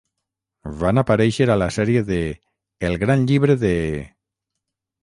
Van aparèixer a la sèrie de "El gran llibre de...".